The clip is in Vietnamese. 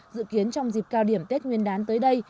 dự kiến trong dịp cao điểm tết nguyên đán tới đây